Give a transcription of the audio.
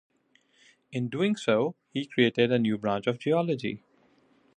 In doing so, he created a new branch of geology.